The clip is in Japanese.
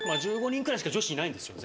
１５人くらいしか女子いないんですよ。